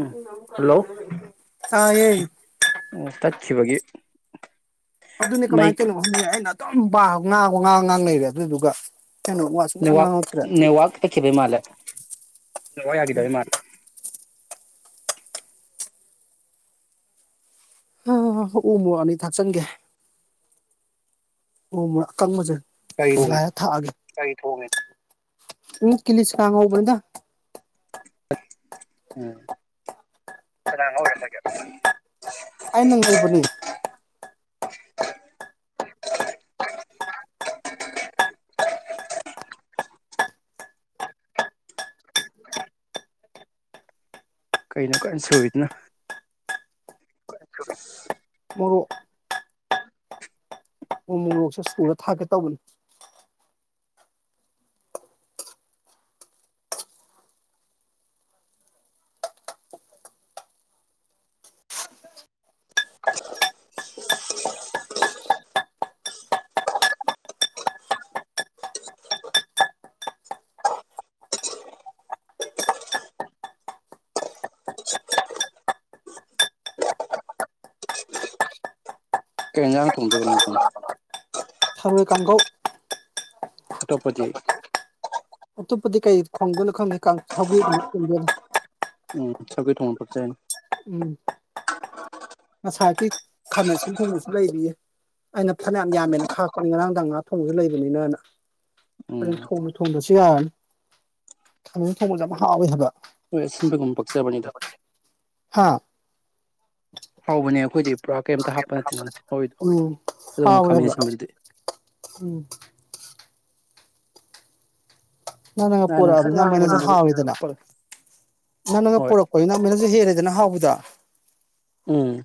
ꯎꯝ hello ꯇꯥꯏꯌꯦ ꯑꯣ ꯇꯠꯈꯤꯕꯒꯤ ꯑꯗꯨꯅꯤ ꯃꯩ ꯀꯃꯥꯏ ꯇꯧꯔꯤꯅ ꯑꯗꯨꯝ ꯉꯥꯡ ꯉꯥꯡ ꯉꯥꯡ ꯂꯩꯔꯦ ꯑꯗꯨꯗꯨꯒ ꯀꯩꯅꯣ ꯋꯥ ꯁꯨꯡꯉꯥꯡ ꯅꯦꯋꯥꯛ ꯉꯥꯡꯉꯛꯇ꯭ꯔꯦ ꯅꯦꯋꯥꯛ ꯑꯦꯈꯦꯕꯩ ꯃꯥꯂꯦ ꯅꯦꯠꯋꯥꯛ ꯌꯥꯒꯤꯗꯕꯩ ꯃꯥꯜꯂꯤ ꯎꯃꫭꯔꫭꯛ ꯑꯅꯤ ꯊꯥꯛꯆꯤꯟꯒꯦ ꯑꯣ ꯀꯪ ꯃꯖꯥ ꯀꯔꯤ ꯄꯨꯒ ꯊꯣꯡꯉꯤꯅꯣ ꯍꯥꯏ ꯊꯥꯒ ꯦ ꯎ ꯀꯂꯤꯁꯀꯥꯉꯕꯗ ꯎꯝ ꯑ ꯅꯪ ꯍꯕꯨꯅꯤ [inaudible] ꯀꯩꯅ ꯀꯥꯏ ꯁꯨꯕꯤꯗꯅ ꯃꯣꯔ ꯎꯃ ꯅꯣꯛꯁ ꯁ꯭ꯀꯨꯜꯗ ꯊꯥꯛꯀꯦ ꯇꯧꯕꯅꯤ ꯀꯩꯅ ꯇꯨꯡꯣ ꯇꯧꯏ ꯀꯥꯡꯒꯣ ꯆꯇꯄꯇ ꯑꯇꯣꯞꯄꯗꯤ ꯀꯩ ꯈꯣꯡꯒꯣꯏꯅꯣ ꯈꯪꯗꯦꯅ ꯎꯝ ꯁꯒꯣꯏ ꯊꯥꯎꯅ ꯄꯨꯔꯁ ꯍꯥꯏꯩꯅ ꯎꯝ ꯉꯁꯥꯏꯒꯤ ꯈꯥꯃꯦꯟ ꯑꯁꯤ ꯊꯣꯡꯕꯁꯨ ꯂꯩꯔꯤꯌꯦ ꯑꯩꯅ ꯐꯅꯌꯥꯝ ꯌꯥꯝꯃꯦꯅ ꯈꯥꯛꯄꯅꯤ ꯉꯔꯥꯡꯗ ꯉꯥ ꯊꯣꯡꯕꯁꯨ ꯂꯩꯕꯅꯤꯅꯅ ꯑꯗꯨ ꯎꯝ ꯊꯣꯡꯕ ꯊꯣꯡꯕꯁꯨ ꯌꯥꯔꯅꯤ ꯈꯥꯃꯦꯟ ꯊꯣꯡꯕꯁꯨ ꯌꯥꯝ ꯍꯥꯎꯋꯦ ꯍꯥꯏꯕ ꯍꯣꯏ ꯑꯁꯤꯟꯕꯒꯨꯝꯕ ꯄꯛꯆꯕꯅꯤꯗ ꯍꯥꯥ ꯍꯥꯎꯧꯕꯅꯦ ꯑꯩꯈꯣꯏꯗꯤ ꯄꯨꯔꯥ ꯀꯩꯝꯇ ꯍꯥꯞꯄ ꯅꯠꯇꯦꯅꯣꯣ ꯎꯝ ꯍꯗ ꯎꯝ ꯅꯪ ꯅꯪꯒ ꯉꯥꯡꯁꯛ ꯄꯣꯔꯛꯑꯕꯅꯤ ꯉꯥꯡꯕꯅꯤ ꯅꯞꯃꯩꯅꯁꯨ ꯑꯗꯨꯗꯣ ꯍꯥꯎꯋꯦꯗꯅ ꯅꯪ ꯅꯪꯒ ꯍꯣꯏ ꯄꯣꯔꯛꯄ ꯅꯛꯃꯩꯅꯁꯨ ꯍꯦꯜꯂꯦꯗꯅ ꯍꯥꯎꯕꯗ ꯎꯝ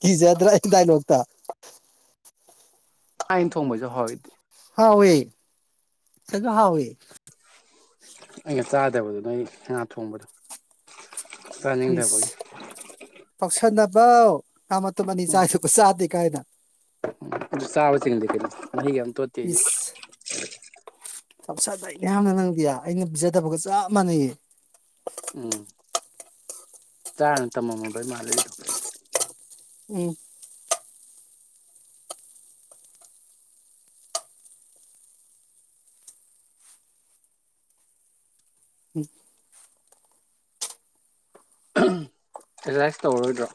ꯀꯤꯖꯤꯗ꯭ꯔ ꯗꯥꯏꯂꫭꯛꯇꫭ ꯑꯥꯏꯟ ꯊꯣꯡꯕꯁꯦ ꯍꯣꯏꯗꯤ ꯍꯥꯎ ꯑꯣꯏꯌꯦ ꯁꯒ ꯍꯥꯎ ꯑꯣꯏꯌꯦ ꯑꯩꯅ ꯆꯥꯗꯕꯗꯨ ꯅꯣꯏ ꯉꯥ ꯊꯣꯡꯕꯗꯣ ꯁ ꯆꯥꯅꯤꯡꯗꯕꯒꯤ ꯄꯥꯛꯁꯗ ꯋꯥ ꯑꯃ ꯃꯅꯤ ꯆꯥ ꯄ ꯁꯥ ꯀꯥꯏꯗ ꯁꯋꯥ ꯆ ꯂꯩ ꯀ ꯅꯒ ꯑ ꯇꯣꯠꯇꯦꯗꯤ ꯆꯞ ꯆꯥꯗ ꯑꯩꯌꯥꯝꯅ ꯅꯪꯗꯦ ꯑꯩꯅ ꯄꯤꯖꯗꯕꯒ ꯆꯞ ꯃꯥꯟꯅꯩꯌꯦ ꯎꯝ ꯆꯥꯅ ꯇꯝꯃꯝꯃ ꯩ ꯃꯥꯜꯂꯗꯤ ꯊꯣꯛ ꯎꯝ ꯎꯝ ꯔꯤꯂꯥꯏꯁ ꯇꯧꯔꯔꯣꯏꯗ꯭ꯔꯣ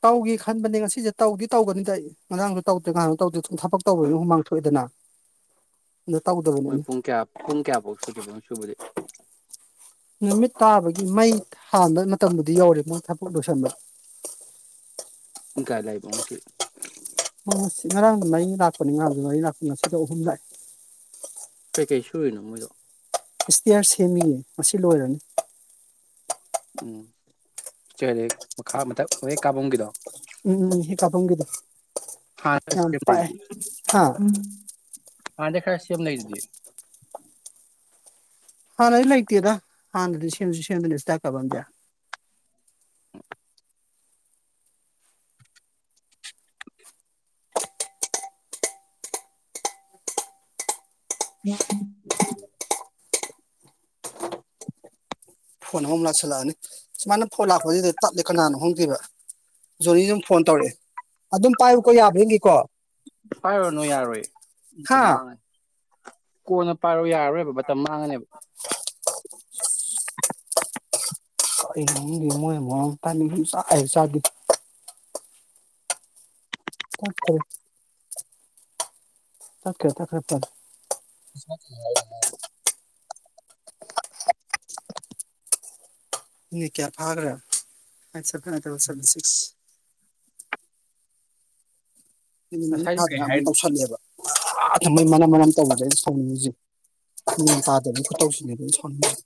ꯇꯧꯒꯦ ꯈꯟꯕꯅꯦ ꯉꯁꯤꯁꯦ ꯇꯧꯗꯤ ꯇꯧꯒꯅꯤꯗ ꯉꯔꯥꯡꯁꯨ ꯇꯧꯗ꯭ꯔꯦ ꯉꯅ ꯇꯧꯗ꯭ꯔꯦ ꯁꯨꯝ ꯊꯕꯛ ꯇꯧꯕ ꯍꯨꯃꯥꯡ ꯊꯣꯛꯏꯦꯗꯅ ꯃꯣꯏ ꯄꯨꯡꯀꯌꯥ ꯄꯨꯡ ꯀꯌꯥꯕꯣꯛ ꯁꯨꯗꫭꯏꯕ ꯁꯨꯕꯗꯦ ꯅꯨꯃꯤꯠ ꯇꯥꯕꯒꯤ ꯃꯩ ꯍꯥꯟꯕ ꯃꯇꯝꯗꯨꯗꯤ ꯌꯥꯎꯔꯤ ꯃ ꯊꯕꯛ ꯂꯣꯏꯁꯤꯟꯕ ꯏ ꯀꯥꯏ ꯂꯩ ꯍꯥꯏꯕꯣꯉ ꯁꯤ ꯉꯔꯥꯡ ꯃꯔꯤ ꯂꯥꯛꯄꯅꯤ ꯉꯥꯡꯗꯨ ꯃꯔꯤ ꯂꯥꯛꯄ ꯉꯁꯤꯗ ꯑꯍꯨꯝ ꯂꯥꯛꯑꯦ ꯀꯩꯀꯩ ꯁꯨꯔꯤꯔꯤꯅꯣ ꯃꯣꯏꯗꯣ ꯏꯁꯇꯤꯌꯥꯔ ꯁꯦꯝꯃꯤꯌꯦ ꯉꯁꯤ ꯂꯣꯏꯔꯅꯤ ꯎꯝ ꯏꯁꯇ꯭ꯌꯦꯔꯗꯤ ꯃꯈꯥ ꯃꯊꯛ ꯍꯦꯛ ꯀꯥꯕꯝꯒꯤꯗꯣ ꯎꯝ ꯎꯝ ꯎꯝ ꯍꯦꯛ ꯀꯕꯝꯒꯤꯗꯣ ꯍꯥ [inaudible] ꯆꯗꯤ ꯍꯥ ꯍꯥꯟꯅꯗꯩ ꯈꯔ ꯁꯦ ꯁꯦꯝ ꯂꯩꯗꯨꯗꯤ ꯍꯥꯟꯅꯩ ꯂꯩꯇꯦꯗ ꯍꯥꯟꯅꯗꯤ ꯁꯦꯝꯁꯨ ꯁꯦꯝꯗꯅ ꯏꯁꯇ꯭ꯌꯦꯔ ꯀꯐꯝꯗꯤ [inaudible] ꯐꯣꯟ ꯑꯃꯃꯨꯛ ꯂꯥꯛꯁꯤꯜꯂꯛ ꯑꯅꯤ ꯁꯨꯃꯥꯏꯅ ꯐꯣꯟ ꯂꯥꯛꯄꯁꯤꯗ ꯇꯠꯂꯦ ꯀꯅꯥꯅꯣ ꯈꯪꯗꯦꯕ ꯖꯣꯅꯤ ꯑꯗꯨꯝ ꯐꯣꯟ ꯇꯧꯔꯛꯑꯦ ꯑꯗꯨꯝ ꯄꯥꯏꯌꯨꯀꯣ ꯌꯥꯕ꯭ꯔ ꯌꯦꯡꯒꯤꯀꯣ ꯄꯥꯏꯔꯨꯔꯅꯨ ꯌꯥꯔꯣꯏ ꯑꯇ ꯍꯥ ꯃꯥꯡꯉꯅꯤ ꯀꯣꯟꯅ ꯄꯥꯏꯔꯣ ꯌꯥꯔꯣꯏꯕ ꯃꯇꯝ ꯃꯥꯡꯉꯅꯤꯕ ꯀꯔꯤꯅꯣ ꯈꯪꯗꯦ ꯃꯣꯏꯅ ꯃꯔꯣꯟ ꯑꯃ ꯇꯥꯟ ꯏꯆꯥ ꯆꯥꯗꯦ ꯇꯠꯈ꯭ꯔꯦ ꯇꯠꯈ꯭ꯔꯦ ꯇꯠꯈ꯭ꯔꯦ ꯐꯔꯦ [unintelligible] ꯃꯤꯅꯤꯠ ꯀꯌꯥ ꯐꯥꯒ꯭ꯔꯦ [unintelligible] ꯃꯤꯃꯤꯠ ꯃꯔꯤ ꯉꯁꯥꯏꯗꯤ ꯐꯥꯗ ꯀꯩ ꯉꯥꯏꯔꯤ ꯑꯃꯨꯛ ꯍꯥꯏꯔꯤꯅꯣ ꯇꯧꯁꯜꯂꯛ ꯑꯦꯕ ꯃꯣꯏ ꯃꯅꯝ ꯃꯅꯝ ꯇꯧꯕꯁꯦ ꯑꯩꯅ ꯁꯥꯎꯅꯤꯡꯉꯤꯁꯦ ꯃꯦꯟ ꯇꯥꯗꯕ ꯈꯨꯇꯧꯁꯤꯅꯦꯕ ꯑꯩꯅ ꯁꯥꯎꯅꯤꯡꯉꯤꯁꯦ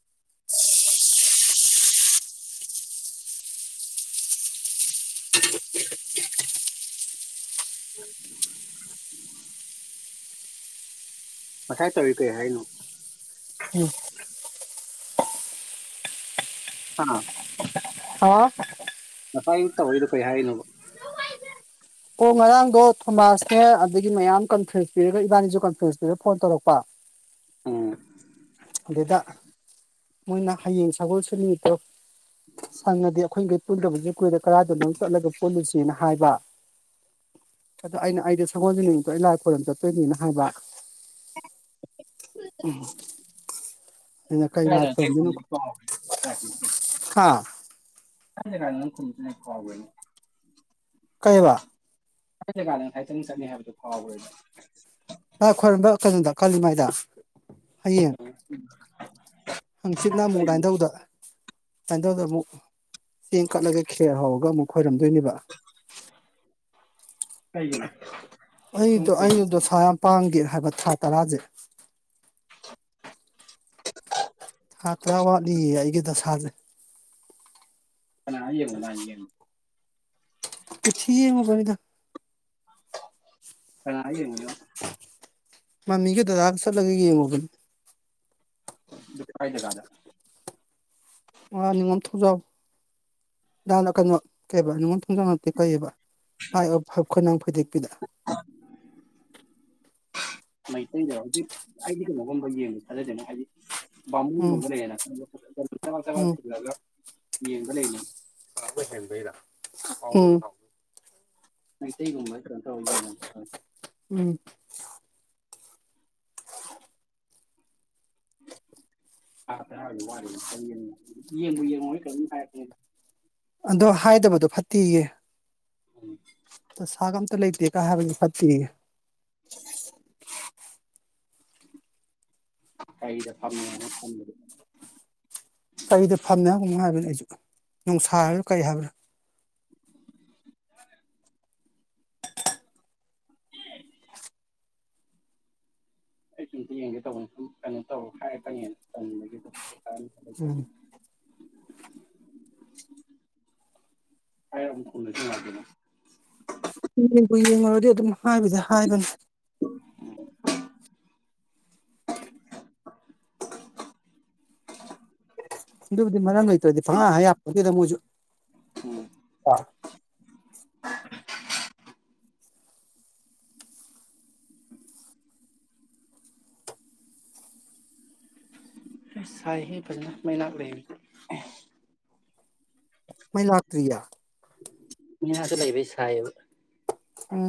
[unintelligible] ꯉꯁꯥꯏ ꯇꯧꯔꯤ ꯀꯩ ꯍꯥꯏꯅꯣ ꯎꯝ ꯍꯥ ꯑ ꯉꯥꯏ ꯇꯧꯔꯤꯗꯣ ꯀꯩ ꯍꯥꯏꯅꯣꯕ ꯑꯣ ꯉꯔꯥꯡꯗꯣ ꯊꯣꯃꯥꯁꯅꯦ ꯑꯗꯒꯤ ꯃꯌꯥꯝ ꯀꯟꯐ꯭ꯔꯦꯁ ꯄꯤꯔꯒ ꯏꯕꯥꯅꯤꯁꯨ ꯀꯟꯐ꯭ꯔꯦꯁ ꯄꯤꯔꯒ ꯐꯣꯟ ꯇꯧꯔꯛꯄ ꯎꯝ ꯗꯩꯗ ꯃꯣꯏꯅ ꯍꯌꯦꯡ ꯁꯒꯣꯜꯁꯦꯟ ꯅꯨꯃꯤꯠꯇꯣ ꯁꯪꯉꯗꯤ ꯑꯩꯈꯣꯏꯈꯩ ꯄꯨꯟꯗꯕꯁꯨ ꯀꯨꯏꯔꯦ ꯀꯗꯥꯏꯗꯅꯣ ꯆꯠꯂꯒ ꯄꯨꯜꯂꯨꯁꯦꯅ ꯍꯥꯏꯕ ꯑꯣ ꯑꯩꯅ ꯑꯩꯗ ꯁꯒꯣꯜꯁꯦꯜ ꯅꯨꯃꯤꯠꯇꯣ ꯑꯩ ꯂꯥꯏ ꯈꯣꯏꯔꯝ ꯆꯠꯇꯣꯏꯅꯦꯅ ꯍꯥꯏꯕ ꯑꯩꯅ ꯀꯩ ꯂꯥꯏ ꯀꯥꯏꯗ ꯈꯣꯏꯔꯝꯗꯣꯏꯅꯣ [unintelligible] ꯑꯥ [inaudible] ꯀꯥꯎ ꯈꯔꯦꯅꯦ ꯀꯩꯕ ꯀꯥꯏ ꯖꯒꯥꯅꯦꯕ ꯅꯪ ꯉꯁꯥꯏ ꯆꯠꯅꯤ ꯍꯥꯏꯕꯗꯨ ꯀꯥꯎꯈ꯭ꯔꯦꯅꯦ ꯂꯥꯏ ꯈꯣꯏꯔꯝꯕ ꯀꯩꯅꯣꯗ ꯀꯥꯜꯂꯤꯃꯥꯏꯗ ꯍꯌꯦꯡ ꯍꯪꯆꯤꯠꯅ ꯑꯃꯨꯛ ꯀꯩꯒꯤꯅꯣ ꯂꯥꯏꯟꯊꯧꯗ ꯂꯥꯏꯟꯗꯧꯗ ꯑꯃꯨꯛ ꯆꯦꯡ ꯀꯠꯂꯒ ꯈꯦꯔ ꯍꯧꯔꯒ ꯑꯃꯨꯛ ꯈꯣꯏꯔꯝ ꯅꯤꯕ ꯀꯩꯒꯤꯅꯣ ꯁꯨꯝ ꯑꯩꯗꯣ ꯈꯨꯔꯨꯝꯃꯦ ꯑꯩꯩꯗꯣ ꯗꯣꯁꯥ ꯌꯥꯝ ꯄꯥꯡꯗꯦ ꯍꯥꯏꯕ ꯊꯥ ꯇꯔꯥꯁꯦ ꯊꯥ ꯇꯔꯥ ꯋꯥꯠꯂꯤꯌꯦ ꯑꯩꯒꯤ ꯗꯁꯥꯥꯁꯦ ꯀꯅꯥ ꯌꯦꯡꯏ [inaudible] ꯀꯨꯊꯤ ꯌꯦꯡꯉꯨ ꯕꯅꯤꯗ ꯀꯅꯥ ꯌꯦꯡꯉꯨꯏ ꯅꯣꯕ ꯃꯃꯤꯒ ꯗꯗꯥ ꯆꯠꯂ ꯌꯦꯡꯉꯨꯕꯅꯦ ꯀꯥꯏ ꯖꯒꯥꯗꯅꯣ ꯑ ꯅꯤꯉꯣꯝ ꯊꯣꯡꯖꯥꯎ ꯀꯩꯅꯣ ꯀꯩꯕ ꯅꯤꯡꯉꯣꯜ ꯊꯣꯡꯖꯥꯎ ꯅꯇꯦ ꯀꯩꯌꯦꯕ ꯈꯣꯏꯅꯪ ꯐꯩꯏꯗꯦꯛꯄꯤꯗ ꯃꯩꯇꯩꯗꯔꯣ ꯍꯧꯖꯤꯛ ꯑꯩꯗꯤ ꯀꯩꯅꯣꯒꯨꯝꯕ ꯌꯦꯡꯕꯁꯦ ꯊꯥꯖꯗꯦꯅꯦ ꯍꯥꯏꯗꯤ ꯕꯥꯝꯃꯣꯟ ꯎꯝ ꯒꯨꯝꯕ ꯂꯩꯅ ꯆꯛ ꯆꯛ ꯎꯝ ꯊꯤꯜꯂꯒ ꯌꯦꯡꯕ ꯂꯩꯅ ꯑꯝ ꯃꯩꯇꯩꯒꯨꯝꯕ ꯀꯩꯅꯣꯝ ꯇꯧꯔ ꯌꯦꯡꯉ [inaudible] ꯎꯝ ꯑ [unintelligible] ꯌꯦꯡꯕꯨ ꯌꯦꯡꯉꯣ ꯀꯩꯅꯣꯝ ꯍꯥꯏꯔꯛ ꯑꯦꯅꯦ ꯑꯗꯣ ꯍꯥꯏꯗꯕꯗꯣ ꯐꯠꯇꯤꯌꯦ ꯎꯝ ꯗꯁꯥꯒ ꯑꯃꯇ ꯂꯩꯇꯦ ꯍꯥꯏꯕꯁꯦ ꯐꯠꯇꯦꯌꯦ ꯀꯔꯤꯗ ꯐꯝꯃꯦꯅ ꯊꯝꯕꯤ ꯀꯩꯗ ꯐꯝꯃꯦ ꯍꯥꯏꯕ꯭ꯔ ꯀꯩꯅꯣꯝ ꯍꯥꯏꯕꯅꯦ ꯑꯩꯁꯨ ꯅꯣꯡꯁꯥ ꯍꯥꯏꯕ꯭ꯔꯥ ꯀꯩ ꯍꯥꯏꯕ꯭ꯔꯥ ꯑꯩꯁꯨ ꯑꯝꯇ ꯌꯦꯡꯒꯦ ꯇꯧꯕꯅꯤ ꯁꯨꯝ ꯀꯩꯅꯣ ꯇꯧ ꯍꯥꯏꯔꯛ ꯀꯅꯤꯅ ꯇꯟꯕꯒꯤꯀꯣ ꯎꯝ [inaudible] [inaudible] ꯕꯨ ꯌꯦꯡꯉꯨꯔꯗꯤ ꯑꯗꯨꯝ ꯍꯥꯏ ꯕꯨꯗ ꯍꯥꯏꯕꯅꯤ ꯑꯗꯨꯕꯨꯗꯤ ꯃꯔꯝ ꯂꯩꯇ꯭ꯔꯗꯤ ꯐꯪꯍꯥꯏ ꯍꯥꯏ ꯌꯥꯄꯣꯟꯇꯦꯗ ꯃꯣꯏꯁꯨ ꯑ ꯁꯥꯏ ꯍꯦ ꯐꯖꯅ ꯃꯩ ꯂꯩꯕ ꯃꯩ ꯂꯥꯛꯇ꯭ꯔꯤꯌꯦ ꯃꯤꯁ ꯂꯩꯕ ꯁꯥꯍꯦꯕ ꯎꯝ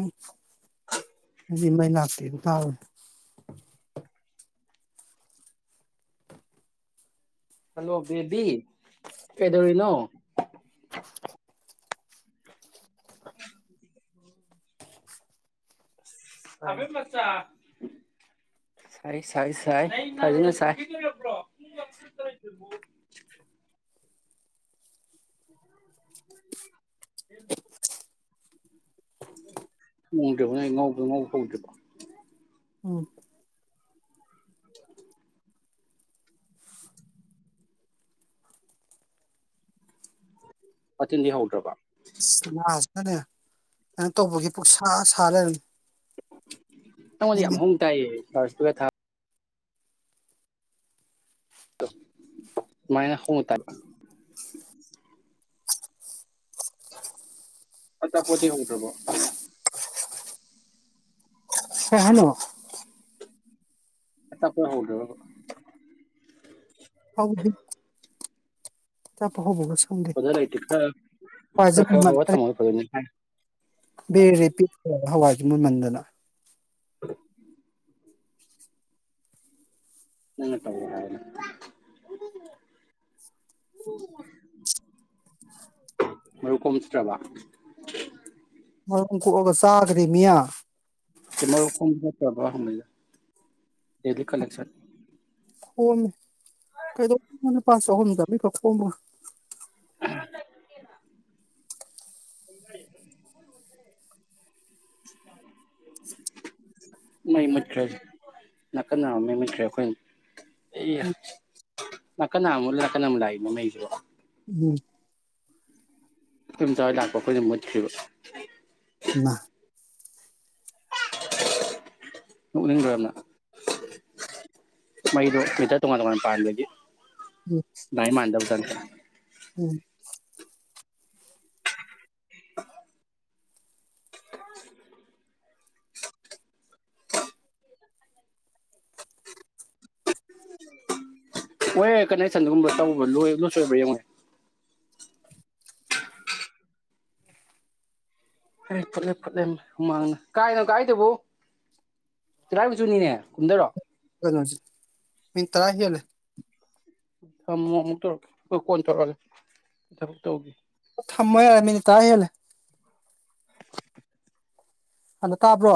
ꯑꯩꯗꯤ ꯃꯩ ꯂꯥꯛꯇꯦ ꯇꯥꯔꯨꯔꯦ ꯍꯜꯂꯣ ꯕꯦꯕꯤ ꯀꯩꯗꯧꯔꯤꯅꯣ ꯁꯥꯏ ꯁꯥꯏ ꯁꯥꯏ ꯐꯖꯅ ꯁꯥꯏ [inaudible] ꯎꯝ [unintelligible] ꯋꯥꯇꯤꯟꯗꯤ ꯍꯧꯗ꯭ꯔꯕ [inaudible] ꯅꯅꯦ [inaudible] ꯇꯧꯕꯒꯤ ꯄꯨꯁꯥ ꯁꯥ ꯂꯩꯔꯝꯃꯦ ꯑꯩꯉꯣꯟꯗ ꯌꯥꯝ ꯍꯧꯅ ꯇꯥꯏꯌꯦ ꯂꯥꯎꯗ ꯏꯁꯄꯤꯀꯔ ꯊꯥꯕꯩ ꯃꯥꯏꯅ ꯍꯧꯅ ꯇꯥ [unintelligible] ꯁ ꯍꯥꯏꯅꯣ ꯑꯆꯥꯄꯣꯠ ꯍꯧꯗꯔꯕ ꯍꯧꯗ꯭ꯔꯤ꯫ ꯆꯥꯄꯣꯠ ꯍꯧꯕꯅꯁꯨ ꯕ꯭ꯔꯗꯔ ꯂꯩꯇꯦ ꯈꯔ ꯈꯔ ꯈꯔ ꯍꯧꯔ ꯊꯝꯃꯒ ꯐꯗꯣꯏꯅꯤ ꯍꯥꯏ [unintelligible] ꯃꯨꯟꯃꯟꯗꯅ [inaudible] ꯅꯪꯅ ꯇꯧ ꯍꯥꯏ ꯃꯔꯨꯛ ꯑꯝ ꯆꯠꯇꯔꯕ ꯃꯔꯨꯝ ꯀꯣꯛꯑꯒ ꯆꯥꯒ꯭ꯔꯦꯃꯤ ꯇꯦ ꯃꯔꯨꯞ ꯈꯣꯝꯕ [unintelligible] ꯍꯪꯕꯅꯤꯗ ꯗꯦꯂꯤ ꯀꯂꯦꯛꯁꯟ꯫ ꯈꯣꯝꯃꯦ ꯀꯩꯗꯧꯅꯤ ꯂꯨꯄꯥ ꯆꯍꯨꯝ ꯆꯥꯝꯕꯔ꯭ꯤ ꯈꯛ ꯈꯣꯝꯃꯒ ꯃꯩ ꯃꯨꯠꯈ꯭ꯔꯦ ꯅꯥꯀꯟ ꯅꯥꯝ ꯃꯩ ꯃꯨꯠꯈ꯭ꯔꯦ ꯑꯩꯈꯣꯏ ꯏ ꯎꯝ ꯅꯥꯀꯜ ꯅꯥꯝꯃ ꯃꯨꯠꯂ ꯅꯥꯀꯟ ꯑꯝ ꯂꯥꯛꯏꯅꯦ ꯃꯩꯖꯤꯕꯣ꯫ ꯎꯝ꯫ ꯑꯈꯣꯏ ꯏꯟꯗꯣꯝꯆꯍꯣꯏ ꯂꯛꯄ ꯑꯈꯣꯏꯗꯤ ꯃꯨꯠꯈꯔ꯭ꯤꯕ꯫ ꯏꯃꯥ ꯅꯣꯛꯅꯤꯡꯗ꯭ꯔꯣ ꯌꯥꯝꯅ ꯃꯩꯗꯣ ꯃꯤꯇꯔ ꯇꯣꯉꯥꯟ ꯇꯣꯉꯥꯟ ꯄꯥꯟꯕꯒꯤ ꯎꯝ ꯂꯥꯏꯟ ꯃꯅꯥꯗꯕꯗꯅꯤ [inaudible] ꯎꯝ [inaudible] ꯋꯦꯌꯔ ꯀꯅꯦꯛꯁꯟꯒꯨꯝꯕ ꯇꯧꯕ ꯂꯣꯏ ꯑꯃ ꯁꯣꯏꯕ꯭ꯔ ꯌꯦꯡꯉꯨ ꯍꯩ ꯐꯨꯠꯂꯦ ꯐꯨꯠꯂꯦ ꯍꯨꯃꯥꯡꯅ ꯀꯥꯏꯅꯣ ꯀꯥꯏꯗꯨꯕꯨ ꯇꯂꯥꯏꯈꯨꯝꯕꯤ ꯆꯨꯅꯤꯅꯦ ꯀꯨꯝꯟꯗꯔꯣ꯫ [unintelligible] ꯃꯤ ꯇꯔꯥ ꯍꯦꯜꯂꯦ꯫ ꯊꯝꯃꯣ ꯑꯃꯨꯛ ꯇꯧꯔꯛꯀꯦ ꯑꯣ ꯀꯣꯟꯅ ꯇꯧꯔꯛꯑꯒꯦ ꯊꯕꯛ ꯇꯧꯒꯦ ꯊꯝꯃꯣ ꯌꯥꯔꯦ ꯃꯤꯅꯤꯠ ꯇꯔꯥ ꯍꯦꯂꯦ꯫ ꯑꯅ ꯇꯥꯕ꯭ꯔꯣ